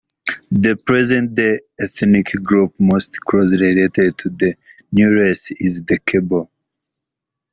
The present-day ethnic group most closely related to the new race is the Kabyle.